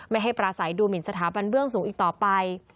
ไม่ให้ปราศัยดูหมินสถาบันเบื้องสูงอีกต่อไป